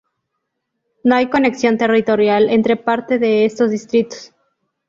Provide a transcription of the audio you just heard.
No hay conexión territorial entre parte de estos distritos.